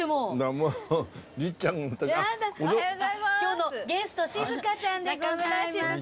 今日のゲスト静香ちゃんでございます。